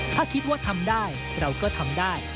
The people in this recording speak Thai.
ถ้าคิดว่าทำได้เราก็ทำได้